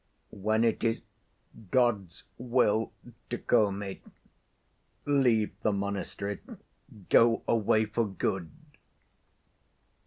When it is God's will to call me, leave the monastery. Go away for good."